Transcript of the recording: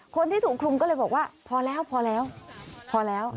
คนที่ถูกคลุมก็เลยบอกว่าพอแล้วพอแล้วพอแล้ว